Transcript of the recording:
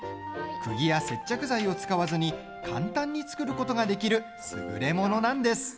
くぎや接着材を使わずに簡単に作ることができるすぐれものなんです。